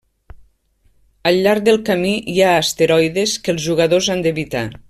Al llarg del camí hi ha asteroides, que els jugadors han d'evitar.